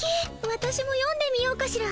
わたしもよんでみようかしら。